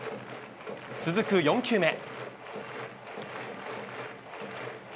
続く４球目。